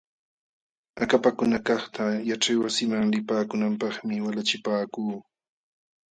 Akapakunakaqta yaćhaywasiman lipakunanpaqmi walachipaakuu.